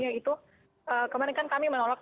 yaitu kemarin kami menolak kriminalitas